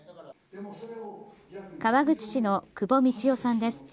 川口市の久保三智代さんです。